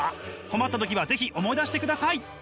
困った時は是非思い出してください！